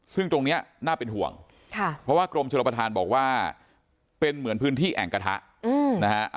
ซึ่งตรงนี้น่าเป็นห่วงเพราะว่ากรมชนประธานบอกว่าเป็นเหมือนพื้นที่แอ่งกระทะนะฮะ